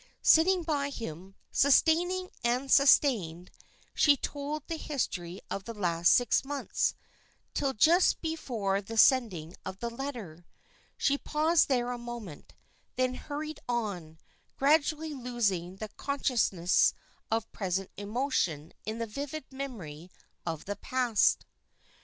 Sitting by him, sustaining and sustained, she told the history of the last six months, till just before the sending of the letter. She paused there a moment, then hurried on, gradually losing the consciousness of present emotion in the vivid memory of the past.